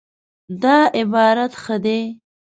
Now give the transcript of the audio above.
دا عبارت ښه دی